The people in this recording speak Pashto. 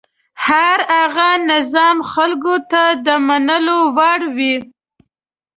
هر هغه نظام خلکو ته د منلو وړ وي.